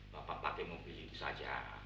bapak pakai mobil itu saja